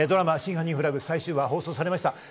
ドラマ『真犯人フラグ』最終話が放送されました。